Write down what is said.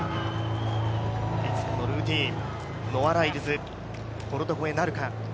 いつものルーチン、ノア・ライルズボルト超えなるか。